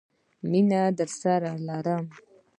مینه درسره لرم